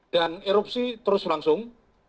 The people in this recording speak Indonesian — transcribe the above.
dan erupsi terus langsung